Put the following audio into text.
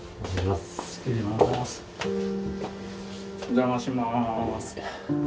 お邪魔します。